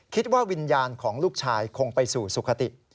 คิดว่าวิญญาณของลูกชายคงไปสู่สุขติ